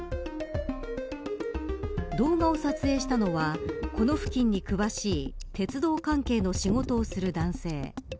動画を撮影したのはこの付近に詳しい鉄道関係の仕事をする男性。